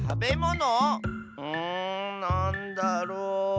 んなんだろう？